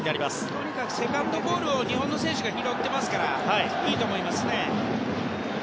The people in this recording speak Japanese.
とにかくセカンドボールを日本の選手が拾っていますからいいと思います。